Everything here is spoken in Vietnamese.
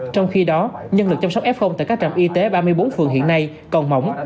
trong khi đó nhân lực chăm sóc f tại các trạm y tế ba mươi bốn phường hiện nay còn mỏng